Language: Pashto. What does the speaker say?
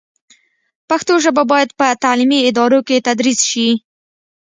پښتو ژبه باید په تعلیمي ادارو کې تدریس شي.